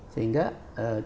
sehingga kita bisa mengatasi